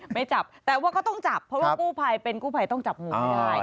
ไม่จับแต่ว่าก็ต้องจับเพราะว่ากู้ภัยเป็นกู้ภัยต้องจับงูให้ได้